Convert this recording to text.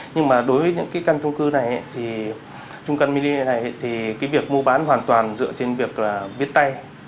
nhưng mà đối với những cái căn chung cư này thì chung căn mini này thì cái việc mua bán hoàn toàn dựa trên việc là biết tay